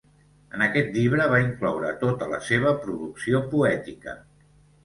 En aquest llibre va incloure tota la seva producció poètica.